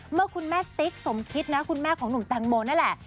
เมื่อคุณแม่ติ๊กสมคิดนะคุณแม่ของหนุ่มแตงโมนั่นแหละ